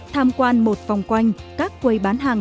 tham quan một phòng quanh các quầy bán hàng